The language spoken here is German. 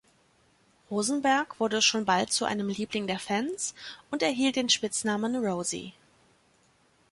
Rosenberg wurde schon bald zu einem Liebling der Fans und erhielt den Spitznamen „Rosi“.